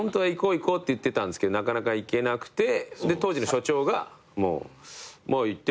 行こうって言ってたんすけどなかなか行けなくて当時の所長が「まあ行っても」